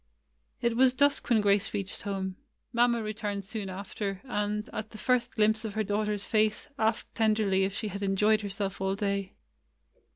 It was dusk when Grace reached home. Mamma returned soon after; and, at the first glimpse of her daughter's face, asked tenderly if she had enjoyed herself all day.